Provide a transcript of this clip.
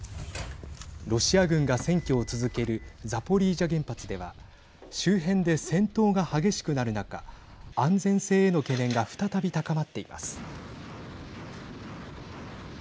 ロシア軍が占拠を続けるザポリージャ原発では周辺で戦闘が激しくなる中安全性への懸念が再び高まっています。